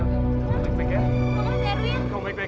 udah kesempatan kesempatan